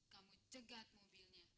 kamu cegat mobilnya